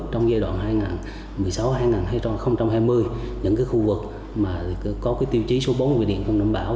trong giai đoạn hai nghìn một mươi sáu hai nghìn hai mươi những khu vực có tiêu chí số bốn về điện không đảm bảo